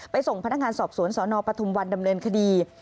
ส่งพนักงานสอบสวนสนปฐุมวันดำเนินคดี